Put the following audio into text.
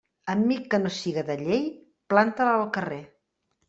Amic que no siga de llei, planta'l al carrer.